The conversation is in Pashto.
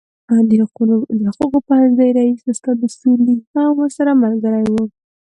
د حقوقو پوهنځي رئیس استاد اصولي هم ورسره ملګری و.